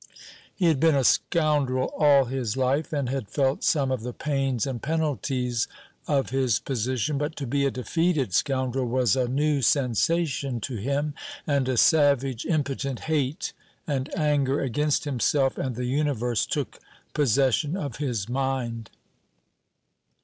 He had been a scoundrel all his life, and had felt some of the pains and penalties of his position; but to be a defeated scoundrel was a new sensation to him; and a savage impotent hate and anger against himself and the universe took possession of his mind.